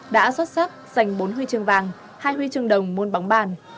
đã xuất sắc giành bốn huy chương vàng hai huy chương đồng môn bóng bàn